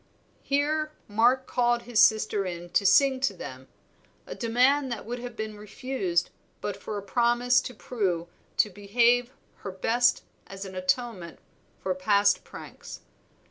Here Mark called his sister in to sing to them, a demand that would have been refused but for a promise to Prue to behave her best as an atonement for past pranks.